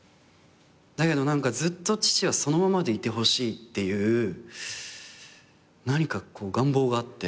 だけど何かずっと父はそのままでいてほしいっていう願望があって。